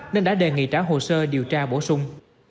nên đã đề nghị trả hồ sơ điều tra bổ sung